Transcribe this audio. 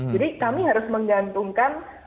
jadi kami harus menggantungkan